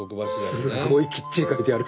すごいきっちり書いてある。